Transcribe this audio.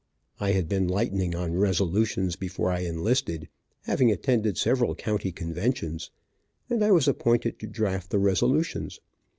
I had been lightning on resolutions before I enlisted, having attended several county conventions, and I was appointed to draft the resolutions.